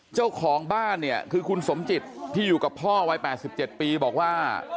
เจ้าของบ้านเนี่ยคือคุณสมจิตที่อยู่กับพ่อวัย๘๗ปีบอกว่า